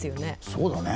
そうだね。